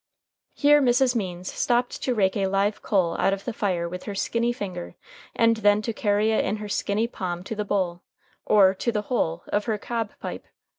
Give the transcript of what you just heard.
Here Mrs. Means stopped to rake a live coal out of the fire with her skinny finger, and then to carry it in her skinny palm to the bowl or to the hole of her cob pipe.